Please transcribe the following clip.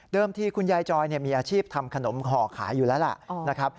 เริ่มที่คุณยายจอยมีอาชีพทำขนมห่อขายอยู่แล้วล่ะ